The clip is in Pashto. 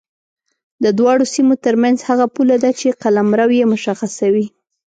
د دواړو سیمو ترمنځ هغه پوله ده چې قلمرو یې مشخصوي.